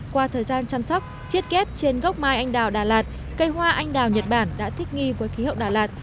qua thời gian chăm sóc chiết kép trên gốc mai anh đào đà lạt cây hoa anh đào nhật bản đã thích nghi với khí hậu đà lạt